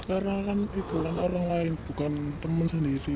karena kan itu kan orang lain bukan teman sendiri